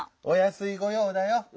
おやすいごようだよ。